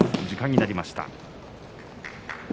時間になりました。